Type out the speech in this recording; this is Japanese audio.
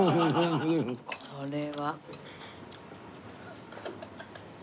これは。